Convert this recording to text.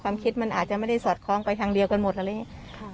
คิดมันอาจจะไม่ได้สอดคล้องไปทางเดียวกันหมดอะไรอย่างนี้